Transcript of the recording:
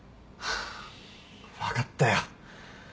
分かったよ。